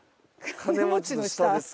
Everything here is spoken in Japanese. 金持ちの下です